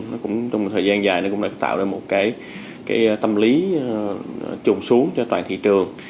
nó cũng trong một thời gian dài nó cũng đã tạo ra một cái tâm lý trùng xuống cho toàn thị trường